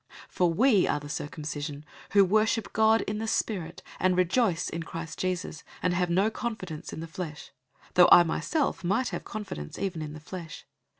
003:003 For we are the circumcision, who worship God in the Spirit, and rejoice in Christ Jesus, and have no confidence in the flesh; 003:004 though I myself might have confidence even in the flesh.